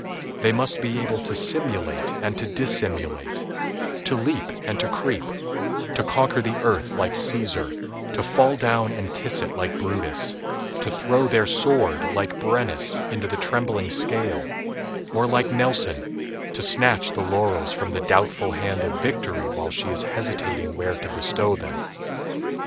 They must be able to simulate and to dissimulate; to leap and to creep; to conquer the earth like Cæsar; to fall down and kiss it like Brutus; to throw their sword, like Brennus, into the trembling scale; or, like Nelson, to snatch the laurels from the doubtful hand of victory while she is hesitating where to bestow them.